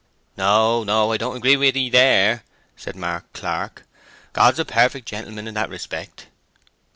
"No, no; I don't agree with'ee there," said Mark Clark. "God's a perfect gentleman in that respect."